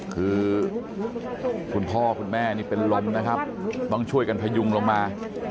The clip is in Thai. คือคุณพ่อคุณแม่นี่เป็นลมนะครับต้องช่วยกันพยุงลงมา